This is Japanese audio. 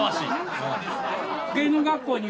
芸能学校に。